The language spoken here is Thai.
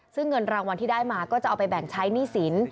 ซึ่งเงินรางวัลที่ได้มาก็จะเอาไปแบ่งใช้หนี้สิน